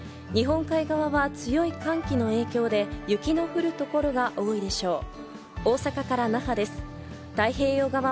日本海側は強い寒気の影響で雪の降る所が多いでしょう。